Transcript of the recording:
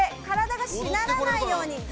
体がしならないように。